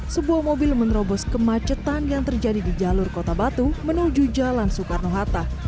sebuah mobil menerobos kemacetan yang terjadi di jalur kota batu menuju jalan soekarno hatta